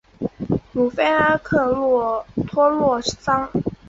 鲁菲阿克托洛桑。